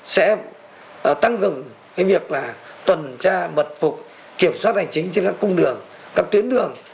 sẽ tăng cầm cái việc là tuần tra bật phục kiểm soát hành chính trên các cung đường các tuyến đường